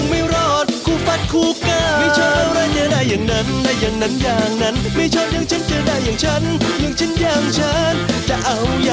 พี่ถึกปั้กสายผนจ้า